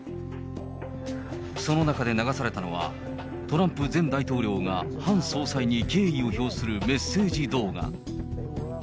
その中で流されたのは、トランプ前大統領がハン総裁に敬意を表するメッセージ動画。